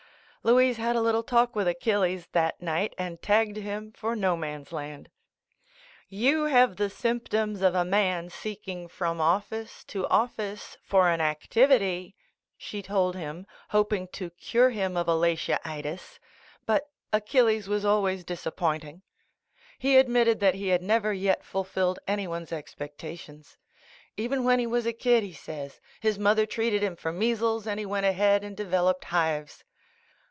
Louise had a little talk with Achilles that night and tagged him for no man's land. "You have the symptoms of a man, seek ing from office to office for an activity" she told him, hoping to cure him of Alatiaitis — but Achilles was always disappointing. The Flash Back 107 He admitted that he had never yet ful filled anyone's expectations. Even when he was a kid, he says, his mother treated him for measles and he went ahead and devel oped hives